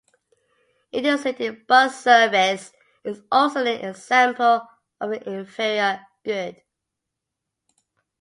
Inter-city bus service is also an example of an inferior good.